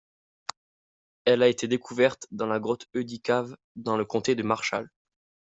Elle a été découverte dans la grotte Eudy Cave dans le comté de Marshall.